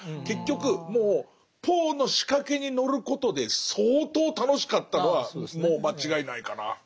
結局もうポーの仕掛けに乗ることで相当楽しかったのは間違いないかな。